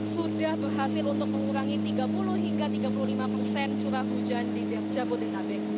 sudah berhasil untuk mengurangi tiga puluh hingga tiga puluh lima persen curah hujan di jabodetabek